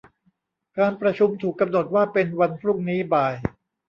การประชุมถูกกำหนดว่าเป็นวันพรุ่งนี้บ่าย